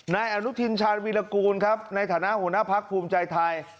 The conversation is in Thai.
นายอนุทินชาญวีรกูลครับในฐานะหัวหน้าพักภูมิใจไทย